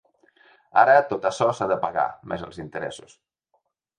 Ara tot açò s’ha de pagar, més els interessos.